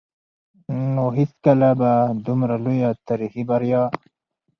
نو هېڅکله به دومره لويه تاريخي بريا